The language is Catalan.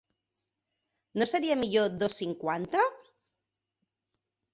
No seria millor dos cinquanta?